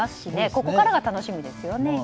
ここからが楽しみですよね。